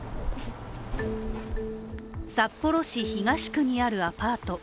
札幌市東区にあるアパート。